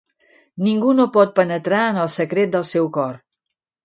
Ningú no pot penetrar en el secret del seu cor.